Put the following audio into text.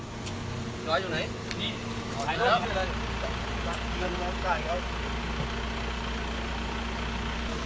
กลับมาเถอะครับ